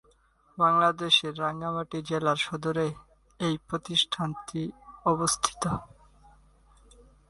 বাংলাদেশের রাঙ্গামাটি জেলার সদরে এই প্রতিষ্ঠানটি অবস্থিত।